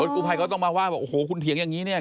รถกู้พัยเขาต้องมาว่าโอ้โหคุณเถียงอย่างงี้เนี้ย